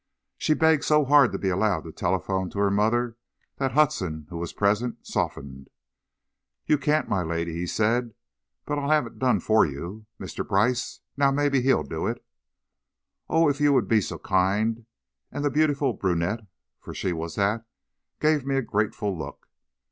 She begged so hard to be allowed to telephone to her mother that Hudson, who was present, softened. "You can't, my lady," he said, "but I'll have it done for you. Mr. Brice, now, maybe he'll do it." "Oh, if you would be so kind," and the beautiful brunette, for she was that, gave me a grateful look.